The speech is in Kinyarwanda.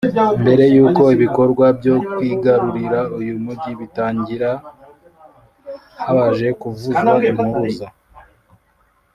Mbere y’uko ibikorwa byo kwigarurira uyu mugi bitangira habaje kuvuzwa impuruza